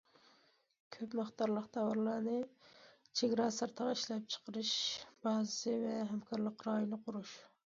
كۆپ مىقدارلىق تاۋارلارنى چېگرا سىرتىدا ئىشلەپچىقىرىش بازىسى ۋە ھەمكارلىق رايونى قۇرۇش.